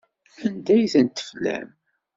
Anda ay tent-teflam?